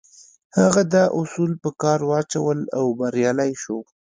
هغه دا اصول په کار واچول او بريالی شو.